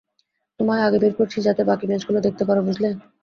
তোমায় আগে বের করছি যাতে বাকি ম্যাচগুলো দেখতে পারো, বুঝলে?